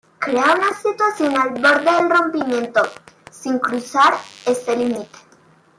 Crean una situación al borde del rompimiento, sin cruzar ese límite.